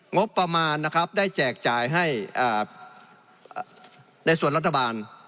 งบประมาณนะครับได้แจกจ่ายให้ในส่วนรัฐบาล